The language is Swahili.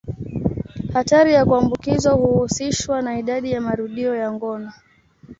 Hatari ya kuambukizwa huhusishwa na idadi ya marudio ya ngono.